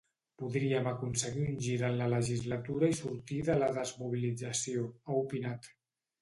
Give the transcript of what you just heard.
“Podríem aconseguir un gir en la legislatura i sortir de la desmobilització”, ha opinat.